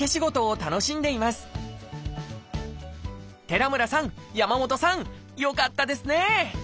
寺村さん山本さんよかったですね！